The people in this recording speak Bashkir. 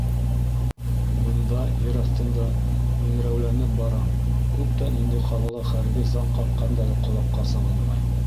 Бында, ер аҫтында, миңрәүләнеп барам, күптән инде ҡалала хәрби заң ҡаҡҡандары ҡолаҡҡа салынмай.